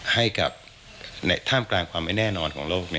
ให้กับท่ามกลางความไม่แน่นอนของโลก